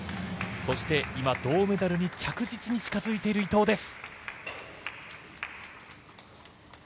そして、今、銅メダルに着実に近づいている伊藤です。